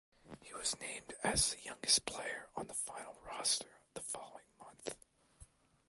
He was named as the youngest player on the final roster the following month.